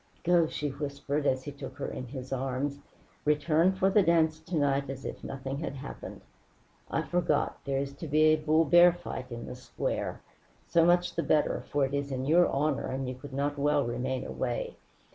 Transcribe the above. "Go," she whispered, as he took her in his arms. "Return for the dance to night as if nothing had happened I forgot, there is to be a bull bear fight in the square. So much the better, for it is in your honor, and you could not well remain away.